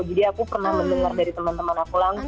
jadi aku pernah mendengar dari teman teman aku langsung